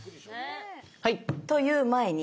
はい！という前に。